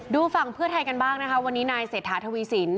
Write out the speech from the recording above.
ฝั่งเพื่อไทยกันบ้างนะคะวันนี้นายเศรษฐาทวีสิน